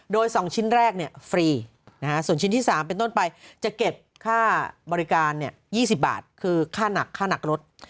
โดย๒ชิ้นแรกฟรีส่วนชิ้นที่๓เป็นต้นไปจะเก็บค่าบริการ๒๐บาทคือค่าหนักค่าหนักรถ